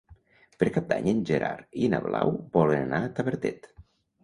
Per Cap d'Any en Gerard i na Blau volen anar a Tavertet.